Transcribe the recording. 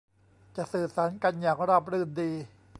จะสื่อสารกันอย่างราบรื่นดี